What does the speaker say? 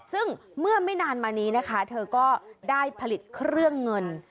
ซึ่งเมื่อไม่นานมานี้นะคะเธอก็ได้ผลิตเครื่องเงิน